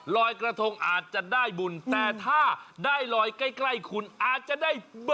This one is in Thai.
ลอยกระทงอาจจะได้บุญแต่ท่าได้ลอยไกลขุนอาจจะได้บำ